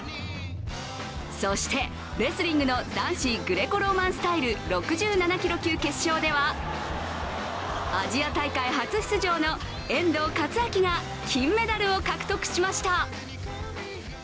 そしてレスリングの男子グレコローマンスタイル６７キロ級決勝ではアジア大会初出場の遠藤功章が金メダルを獲得しました。